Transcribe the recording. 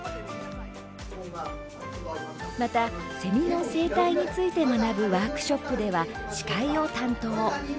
また、セミの生態について学ぶワークショップでは司会を担当。